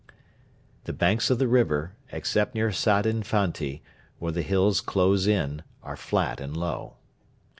The banks of the river, except near Sadin Fanti, where the hills close in, are flat and low.